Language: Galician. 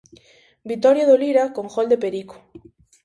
Vitoria do Lira con gol de Perico.